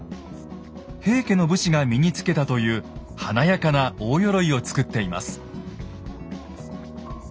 平家の武士が身につけたという華やかな大鎧を作っています。